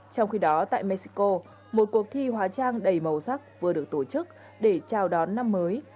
trong khi đó tại mexico một cuộc thi hóa trang đầy màu sắc vừa được tổ chức để chào đón năm mới